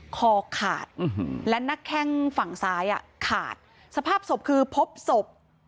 คอขาดและนักแข้งฝั่งซ้ายขาดสภาพศพคือพบศพ